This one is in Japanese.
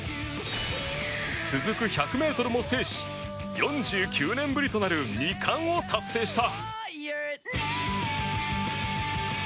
続く１００ｍも制し４９年ぶりとなる２冠を達成した。